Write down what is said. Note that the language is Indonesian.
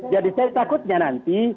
jadi saya takutnya nanti